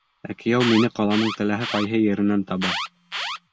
Ә кейәү мине ҡаланың теләһә ҡайһы еренән таба.